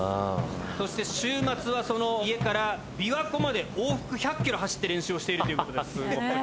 そして週末はその家から琵琶湖まで往復１００ｋｍ走って練習をしているという事です。